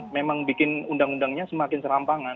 memang bikin undang undangnya semakin serampangan